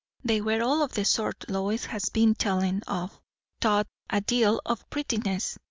They were all of the sort Lois has been tellin' of; thought a deal o' 'prettiness.'